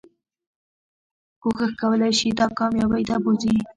کوښښ کولی شي تا کاميابی ته بوځي